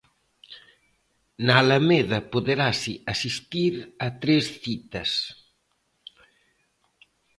Na Alameda poderase asistir a tres citas.